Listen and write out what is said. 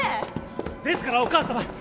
ですからお母さま！